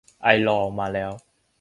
ไอลอว์ มาแล้ว